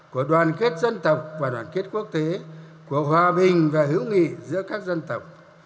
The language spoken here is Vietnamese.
của đoàn kết dân tộc và đoàn kết quốc tế của hòa bình và hữu nghị giữa các dân tộc